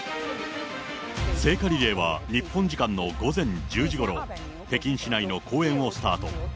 聖火リレーは日本時間の午前１０時ごろ、北京市内の公園をスタート。